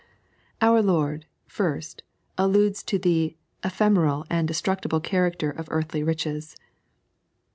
Our Loi'd, first, alludes to ike ephemeral <md <Ustructible chanxoter of earthly riehet.